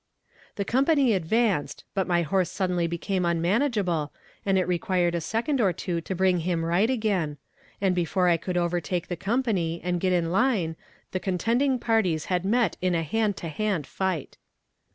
The company advanced, but my horse suddenly became unmanageable, and it required a second or two to bring him right again; and before I could overtake the company and get in line the contending parties had met in a hand to hand fight.